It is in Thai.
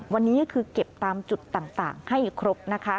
วันนี้ก็คือเก็บตามจุดต่างให้ครบนะคะ